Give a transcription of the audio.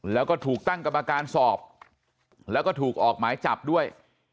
แล้วก็ถูกตั้งกรรมการสอบแล้วก็ถูกออกหมายจับด้วย